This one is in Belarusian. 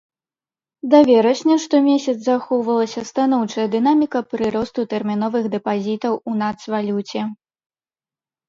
Да верасня штомесяц захоўвалася станоўчая дынаміка прыросту тэрміновых дэпазітаў у нацвалюце.